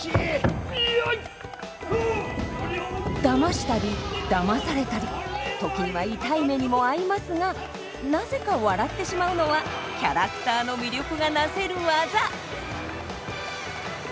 だましたりだまされたり時には痛い目にも遭いますがなぜか笑ってしまうのはキャラクターの魅力がなせるわざ。